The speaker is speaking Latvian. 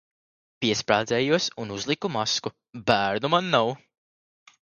Piesprādzējos un uzlieku masku. Bērnu man nav.